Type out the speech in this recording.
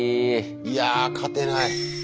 いやあ勝てない。